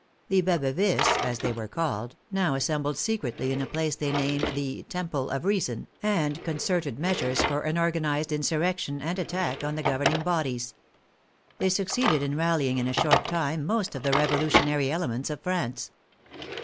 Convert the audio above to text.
The Baboeuvists (as they were called) now assembled secretly in a place they named the " Temple of Reason," and concerted measures for an or ganized insurrection and attack on the governing bodies. They succeeded in rallying in a short time most of the revolutionary elements of France.